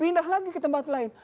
pindah lagi ke tempat lain